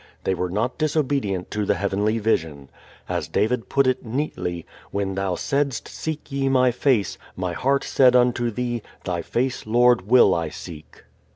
They were not disobedient to the heavenly vision. As David put it neatly, "When thou saidst, Seek ye my face; my heart said unto thee, Thy face, Lord, will I seek."